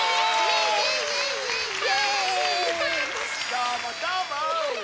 どーもどーも！